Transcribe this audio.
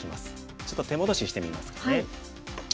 ちょっと手戻ししてみますかね。